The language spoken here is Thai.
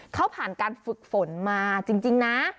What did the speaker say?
เขาผ่านการฝึกฝนมาจริงนะ